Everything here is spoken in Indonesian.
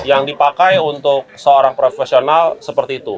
yang dipakai untuk seorang profesional seperti itu